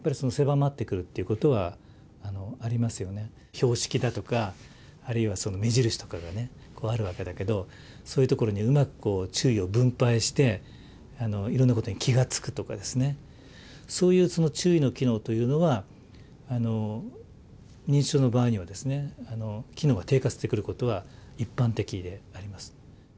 標識だとかあるいはその目印とかがねあるわけだけどそういうところにうまく注意を分配していろんなことに気が付くとかそういうその注意の機能というのは認知症の場合には機能が低下してくることは一般的であります。